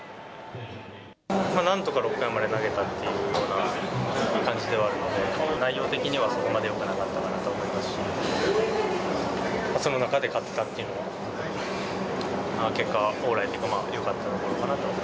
なんとか６回まで投げたっていうような感じではあるので、内容的にはそこまでよくなかったと思いますし、その中で勝てたっていうのは、結果オーライっていうか、まあ、よかったのかなと。